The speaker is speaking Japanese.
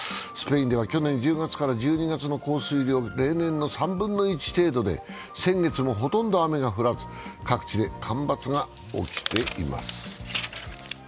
スペインでは去年１０月から１２月の降水量が例年の３分の１程度で、先月もほとんど雨が降らず各地で干ばつが起きています。